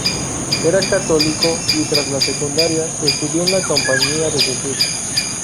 Era católico y tras la secundaria, estudió en la compañía de Jesús.